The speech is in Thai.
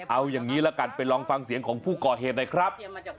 เอาอย่างนี้ละกันไปลองฟังเสียงของผู้ก่อเหตุหน่อยครับ